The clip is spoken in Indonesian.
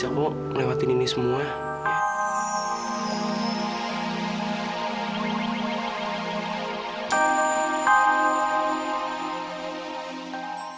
kawan ini tuh nyuruha stadis ini